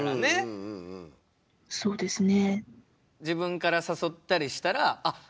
そうですね。